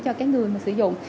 cho cái người mà sử dụng